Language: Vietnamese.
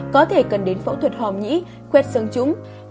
có thể cần đến phẫu thuật hòm nhĩ khuét sớm trúng